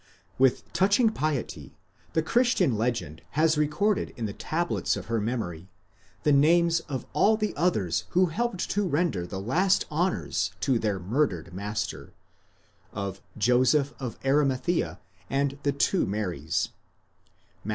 With touching piety the Christian legend has recorded in the tablets of her memory, the names of all the others who helped to render the last honours to their murdered master—of Joseph of Arimathea and the two Marys (Matt.